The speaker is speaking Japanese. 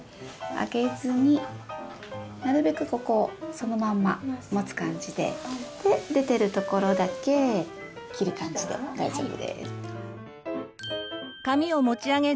上げずになるべくここそのまんま持つ感じでで出てるところだけ切る感じで大丈夫です。